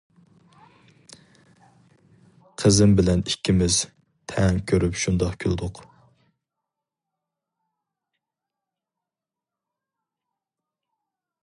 قىزىم بىلەن ئىككىمىز تەڭ كۆرۈپ شۇنداق كۈلدۇق.